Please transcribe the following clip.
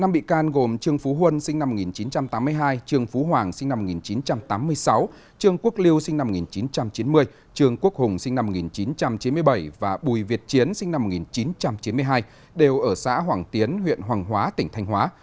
năm bị can gồm trương phú huân sinh năm một nghìn chín trăm tám mươi hai trương phú hoàng sinh năm một nghìn chín trăm tám mươi sáu trương quốc liêu sinh năm một nghìn chín trăm chín mươi trương quốc hùng sinh năm một nghìn chín trăm chín mươi bảy và bùi việt chiến sinh năm một nghìn chín trăm chín mươi hai đều ở xã hoàng tiến huyện hoàng hóa tỉnh thanh hóa